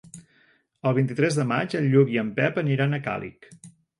El vint-i-tres de maig en Lluc i en Pep aniran a Càlig.